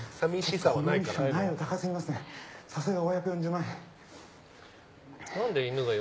さすが５４０万円。